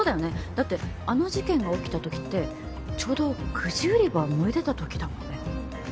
だってあの事件が起きたときってちょうどくじ売り場燃えてたときだもんね。